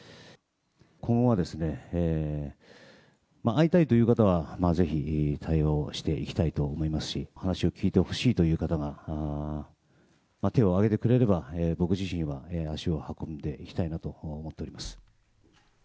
今後は、会いたいという方はぜひ対応していきたいと思いますし、話を聞いてほしいという方が手を挙げてくれれば、僕自身は足を運んでいきたいなと思っています。